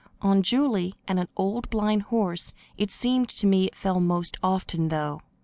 On Julie and an old blind horse it seemed to me it fell most often, though.